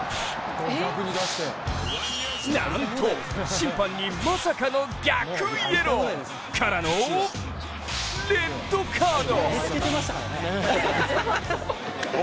なんと審判に逆イエローからのレッドカード！